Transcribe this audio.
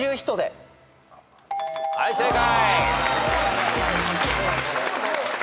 はい正解。